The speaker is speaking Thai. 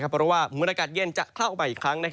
เพราะว่ามวลอากาศเย็นจะเข้ามาอีกครั้ง